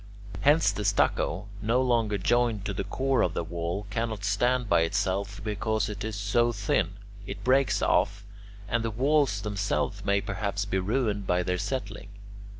Hence the stucco, no longer joined to the core of the wall, cannot stand by itself because it is so thin; it breaks off, and the walls themselves may perhaps be ruined by their settling.